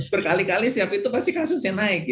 berkali kali siap itu pasti kasusnya naik